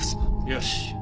よし。